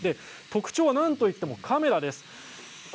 特徴はなんといってもカメラです。